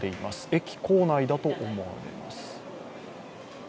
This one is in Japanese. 駅構内だと思われます。